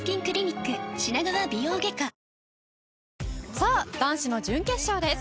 さあ、男子の準決勝です。